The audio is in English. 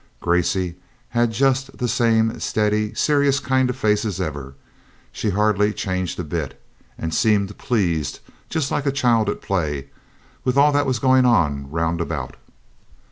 Gracey had just the same steady, serious, kind face as ever; she'd hardly changed a bit, and seemed pleased, just like a child at the play, with all that was going on round about.